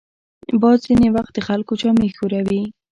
باد ځینې وخت د خلکو جامې ښوروي